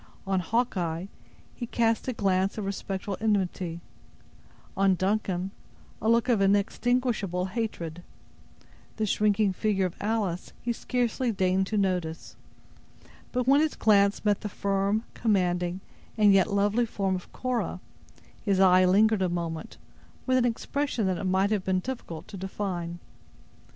On Hawkeye he cast a glance of respectful enmity; on Duncan, a look of inextinguishable hatred; the shrinking figure of Alice he scarcely deigned to notice; but when his glance met the firm, commanding, and yet lovely form of Cora, his eye lingered a moment, with an expression that it might have been difficult to define.